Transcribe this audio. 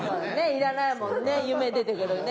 いらないもんね夢出てくるね。